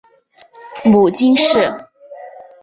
母金氏。